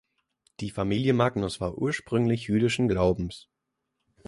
Die Familie Magnus war ursprünglich jüdischen Glaubens.